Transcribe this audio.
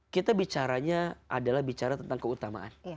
kita bicaranya adalah bicara tentang keutamaan